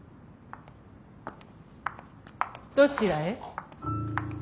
どちらへ？